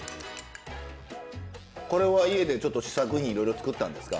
これは家でちょっと試作品いろいろ作ったんですか？